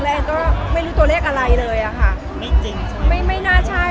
แรกก็ไม่รู้ตัวเลขอะไรเลยอ่ะค่ะไม่จริงไม่ไม่น่าใช่